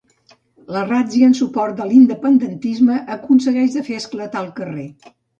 La ràtzia en suport de l'independentisme aconsegueix de fer esclatar el carrer.